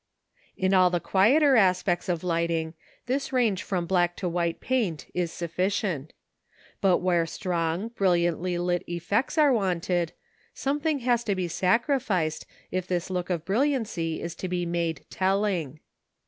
In all the quieter aspects of lighting this range from black to white paint is sufficient. But where strong, brilliantly lit effects are wanted, something has to be sacrificed, if this look of brilliancy is to be made telling.